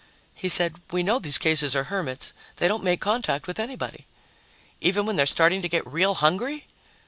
He said, "We know these cases are hermits. They don't make contact with anybody." "Even when they're starting to get real hungry?"